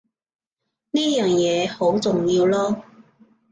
呢樣嘢好重要囉